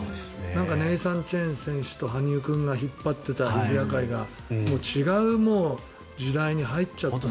ネイサン・チェン選手と羽生君が引っ張っていたフィギュア界が違う時代に入っちゃって。